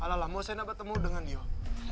alang mau saya ketemu dia